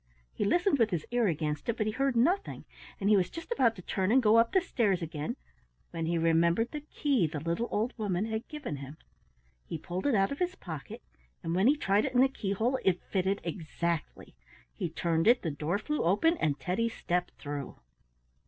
He listened with his ear against it, but he heard nothing, and he was just about to turn and go up the stairs again, when he remembered the key the little old woman had given him. He pulled it out of his pocket, and when he tried it in the keyhole it fitted exactly. He turned it, the door flew open, and Teddy stepped through.